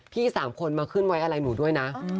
๓คนมาขึ้นไว้อะไรหนูด้วยนะ